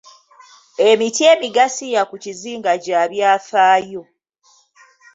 Emiti emigasiya ku kizinga gya byafaayo.